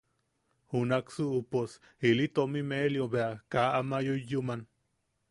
Junaksu uʼu pos ili tomi melio bea ka ama yuyyuman.